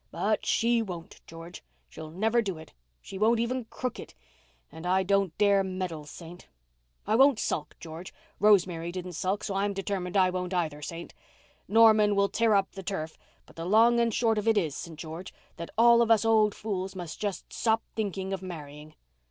But she won't George—she'll never do it—she won't even crook it—and I don't dare meddle, Saint. I won't sulk, George; Rosemary didn't sulk, so I'm determined I won't either, Saint; Norman will tear up the turf, but the long and short of it is, St. George, that all of us old fools must just stop thinking of marrying.